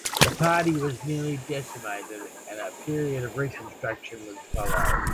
The party was nearly decimated, and a period of reconstruction was to follow.